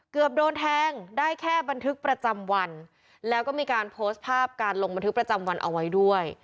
เกือบโดนแทงได้แค่บันทึกประจำวันแล้วก็มีการโพสต์ภาพการลงบันทึกประจำวันเอาไว้ด้วย